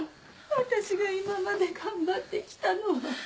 私が今まで頑張って来たのは。